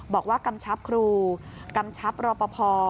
กำชับครูกำชับรอปภ